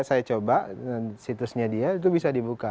saya coba situsnya dia itu bisa dibuka